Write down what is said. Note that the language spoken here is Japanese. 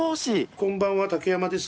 こんばんは竹山です。